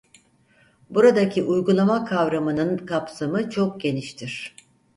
Buradaki uygulama kavramının kapsamı çok geniştir.